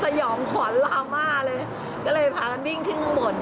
สยองขวัญลาม่าเลยก็เลยพากันวิ่งขึ้นข้างบน